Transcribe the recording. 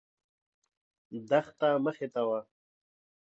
دښته مخې ته وه.